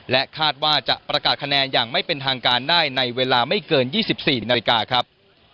คาดว่าจะประกาศคะแนนอย่างไม่เป็นทางการได้ในเวลาไม่เกิน๒๔นาฬิกาครับ